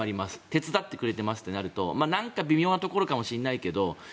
手伝ってくれてますってなるとなんか微妙なところかもしれないけど